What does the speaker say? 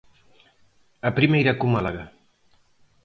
A primeira co Málaga.